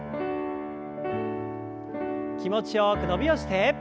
気持ちよく伸びをして。